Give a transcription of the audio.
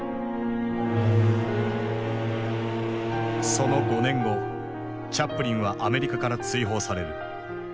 その５年後チャップリンはアメリカから追放される。